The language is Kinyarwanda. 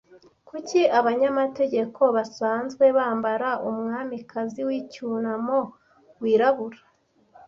Kuki abanyamategeko basanzwe bambara umwamikazi wicyunamo wirabura